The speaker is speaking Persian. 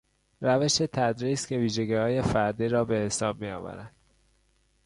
روش تدریس که ویژگیهای فردی را به حساب میآورد